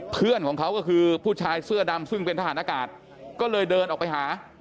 เพื่อนของเขาก็คือผู้ชายเสื้อดำซึ่งเป็นทหารอากาศก็เลยเดินออกไปหา